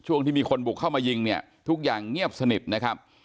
ที่มีคนบุกเข้ามายิงเนี่ยทุกอย่างเงียบสนิทนะครับ